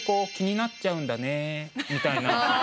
みたいな。